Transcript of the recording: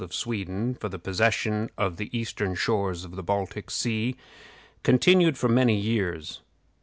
of Sweden, for the possession of the eastern shores of the Baltic Sea, continued for many years.